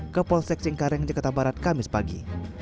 ke polsek cengkareng jakarta barat kamis pagi